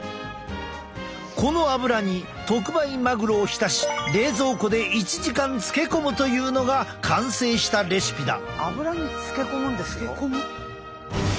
このアブラに特売マグロを浸し冷蔵庫で１時間漬け込むというのが完成したレシピだ。